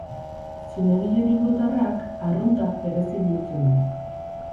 Zinegile bilbotarrak arrunta berezi bihurtzen du.